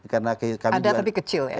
ada tapi kecil ya